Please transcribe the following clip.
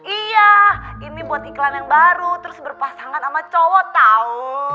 iya ini buat iklan yang baru terus berpasangan sama cowok tau